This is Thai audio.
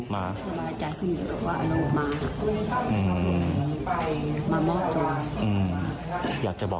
แม่รักมาก